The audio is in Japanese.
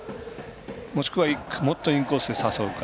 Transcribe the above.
もしくはもっとインコースへ誘うか。